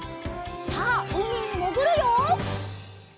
さあうみにもぐるよ！